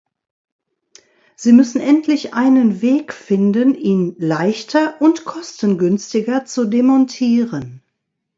Sie müssen endlich einen Weg finden, ihn leichter und kostengünstiger zu demontieren.